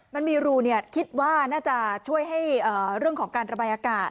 มันมีรูคิดว่าน่าจะช่วยให้เรื่องของการระบายอากาศ